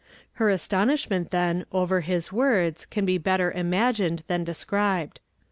Her astonishment, then, over his Avords can be better imagined than described.